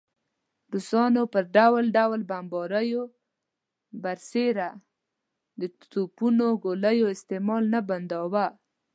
روسانو پر ډول ډول بمباریو برسېره د توپونو ګولیو استعمال نه بنداوه.